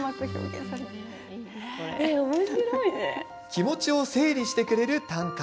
気持ちを整理してくれる短歌。